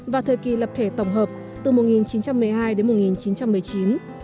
và thời kỳ lập thể tổng hợp từ một nghìn chín trăm một mươi hai đến một nghìn chín trăm một mươi chín